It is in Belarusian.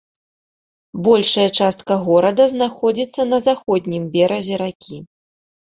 Большая частка горада знаходзіцца на заходнім беразе ракі.